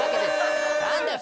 何だよ。